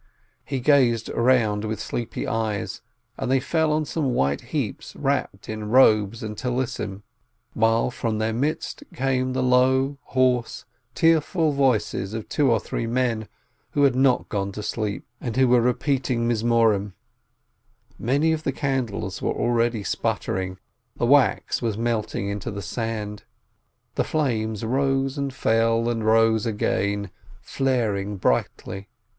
He gazed round with sleepy eyes, and they fell on some white heaps wrapped in robes and prayer scarfs, while from their midst came the low, hoarse, tearful voices of two or three men who had not gone to sleep and were repeating Psalms. Many of the candles were already sputtering, the wax was melting into the sand, the flames rose and fell, and rose again, flaring brightly.